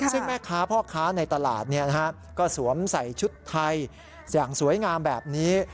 ซึ่งแม่ค้าพ่อค้าในตลาดก็สวมใส่ชุดไทยอย่างสวยงามแบบนี้